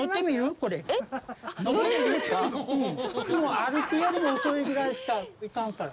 歩くよりも遅いぐらいしか行かんから。